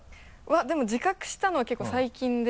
でも自覚したのは結構最近で。